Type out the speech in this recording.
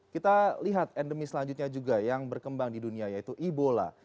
kita lihat endemi selanjutnya juga yang berkembang di dunia yaitu ebola